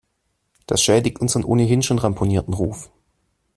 Das schädigt unseren ohnehin schon ramponierten Ruf.